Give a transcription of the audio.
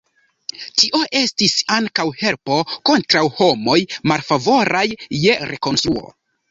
Tio estis ankaŭ helpo kontraŭ homoj malfavoraj je rekonstruo.